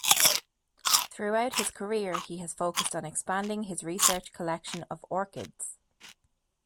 Throughout his career he has focused on expanding his research collection of orchids.